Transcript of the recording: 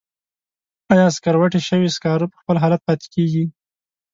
آیا سکروټې شوي سکاره په خپل حالت پاتې کیږي؟